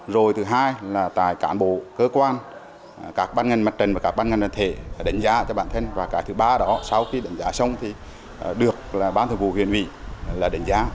rồi thứ hai là tại cán bộ cơ quan các bán ngân mặt trần và các bán ngân đơn thể đánh giá cho bản thân và cái thứ ba đó sau khi đánh giá xong thì được bán thường vụ huyền vị đánh giá